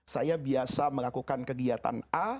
saya biasa melakukan kegiatan a